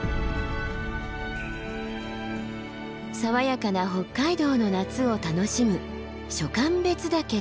爽やかな北海道の夏を楽しむ暑寒別岳です。